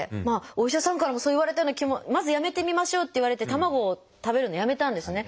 お医者さんからもそう言われたような気もまずやめてみましょうって言われて卵を食べるのをやめたんですね。